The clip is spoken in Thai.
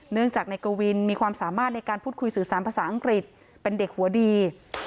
จากนายกวินมีความสามารถในการพูดคุยสื่อสารภาษาอังกฤษเป็นเด็กหัวดี